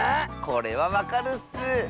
これはわかるッス！